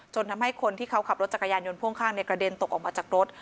ทำให้คนที่เขาขับรถจักรยานยนต์พ่วงข้างในกระเด็นตกออกมาจากรถ